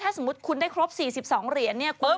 สมมุติคุณได้ครบ๔๒เหรียญเนี่ยคุณ